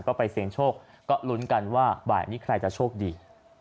ก็ไปเสี่ยงโชคก็ลุ้นกันว่าบ่ายนี้ใครจะโชคดี